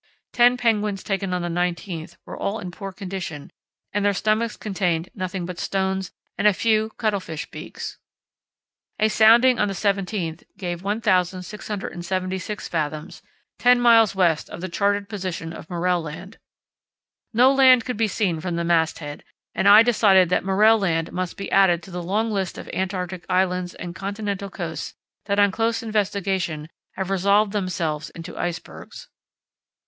Ten penguins taken on the 19th were all in poor condition, and their stomachs contained nothing but stones and a few cuttle fish beaks. A sounding on the 17th gave 1676 fathoms, 10 miles west of the charted position of Morell Land. No land could be seen from the mast head, and I decided that Morell Land must be added to the long list of Antarctic islands and continental coasts that on close investigation have resolved themselves into icebergs.